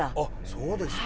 そうですか。